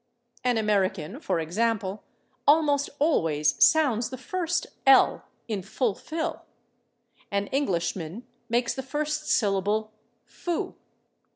" An American, for example, almost always sounds the first /l/ in /fulfill/; an Englishman makes the first syllable /foo